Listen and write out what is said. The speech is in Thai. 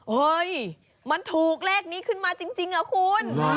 เฮ้ยมันถูกเลขนี้ขึ้นมาจริงเหรอคุณ